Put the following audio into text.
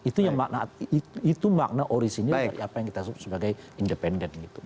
itu yang makna itu makna orisinya dari apa yang kita sebut sebagai independen gitu